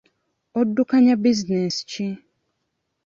Oddukanya bizinensi ki?